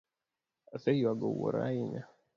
Aseyuago wuora ahinya